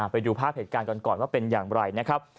ไปดูภาพเหตุการณ์กันก่อนว่าเป็นอย่างไรนะครับ